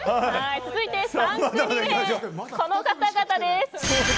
続いて３組目、この方々です。